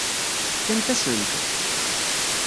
Fkant-asen-t?